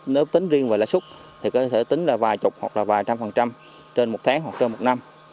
nếu tính riêng về lãi xuất thì có thể tính là vài chục hoặc là vài trăm trên một tháng hoặc trên một năm